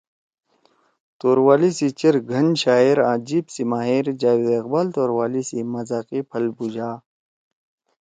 توروالی سی چیر گھن شاعر آں جیِب سی ماہر جاوید اقبال توروالی سی مزاقی پھل بُھوژا!